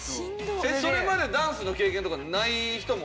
それまでダンスの経験とかない人もおるやん？